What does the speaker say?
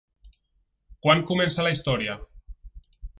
Quan comença la història?